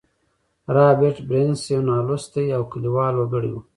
رابرټ برنس یو نالوستی او کلیوال وګړی و